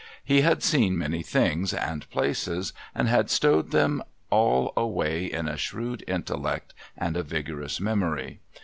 He had seen many things and places, and had stowed them all away in a shrewd intellect and a vigorous memory.